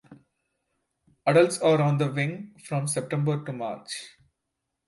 Adults are on the wing from September to March.